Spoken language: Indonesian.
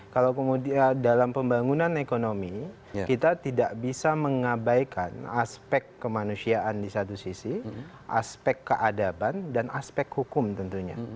kalau kemudian dalam pembangunan ekonomi kita tidak bisa mengabaikan aspek kemanusiaan di satu sisi aspek keadaban dan aspek hukum tentunya